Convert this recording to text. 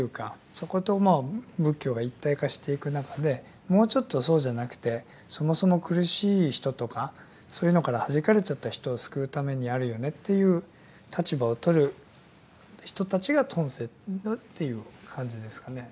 そこと仏教が一体化していく中でもうちょっとそうじゃなくてそもそも苦しい人とかそういうのからはじかれちゃった人を救うためにあるよねっていう立場をとる人たちが遁世っていう感じですかね。